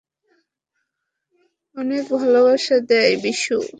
অনেক ভালোবাসা দেয়, বিশু।